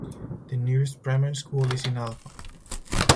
The nearest primary school is in Alpha.